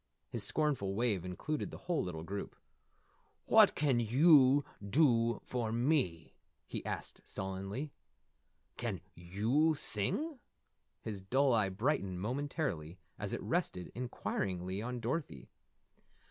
His scornful wave included the whole little group. "What can yew dew for me?" he asked sullenly. "Can yew sing?" His dull eye brightened momentarily as it rested inquiringly on Dorothy.